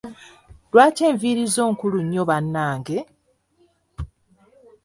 Lwaki enviiri zo nkulu nnyo bannange?